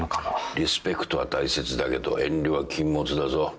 リスペクトは大切だけど遠慮は禁物だぞ。